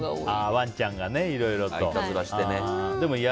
ワンちゃんがね、いろいろとね。